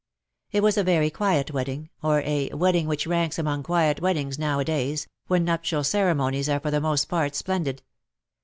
It was a very quiet wedding — or a wed ding which ranks among quiet weddings now a days, when nuptial ceremonies are for the most part splendid.